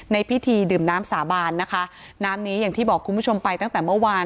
ในพิธีดื่มน้ำสาบานนะคะน้ำนี้อย่างที่บอกคุณผู้ชมไปตั้งแต่เมื่อวาน